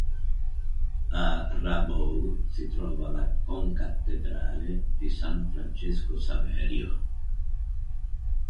A Rabaul si trova la concattedrale di San Francesco Saverio.